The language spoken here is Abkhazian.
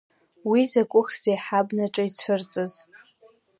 Уи закәыхзеи ҳабнаҿы ицәырҵыз?